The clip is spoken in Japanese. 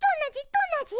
どんなじ？